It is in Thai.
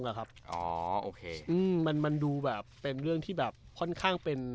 แล้วครับอ๋อโอเคอืมมันมันดูแบบเป็นเรื่องที่แบบค่อนข้างเป็น